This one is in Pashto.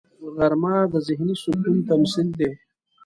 غرمه د ذهني سکون تمثیل دی